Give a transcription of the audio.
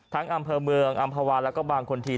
ทั้งอำเภอเมืองอำเภาาลแล้วก็บางคนที่